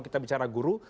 kita bicara tentang guru